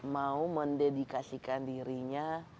mau mendedikasikan dirinya